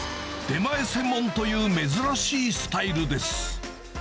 出前専門という珍しいスタイルです。